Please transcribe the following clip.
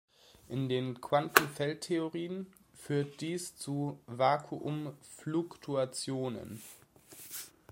In den Quantenfeldtheorien führt dies zu Vakuumfluktuationen.